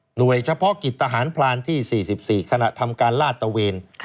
โดยเฉพาะกิจทหารพรานที่๔๔ขณะทำการลาดตะเวน